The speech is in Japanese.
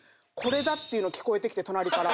ていうの聞こえてきて隣から。